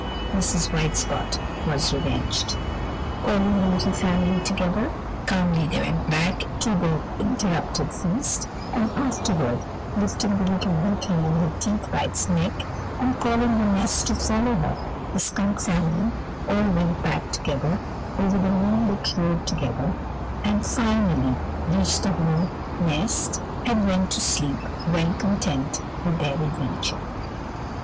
Mrs. White Spot was revenged. Calling her little family together, calmly they went back to their interrupted feast, and afterward lifting the little weakling in her teeth by its neck, and calling the rest to follow her, the skunk family all went back together over the moonlit road together, and finally reached the home nest and went to sleep, well content with their adventure.